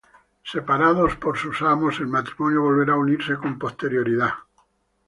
Separados por sus amos, el matrimonio volverá a unirse con posterioridad.